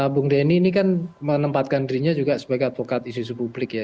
bung denny ini kan menempatkan dirinya juga sebagai advokat isu isu publik ya